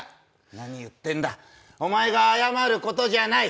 何言ってんだ、お前が謝ることじゃない。